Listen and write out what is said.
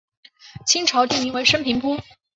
清朝定名为升平坡。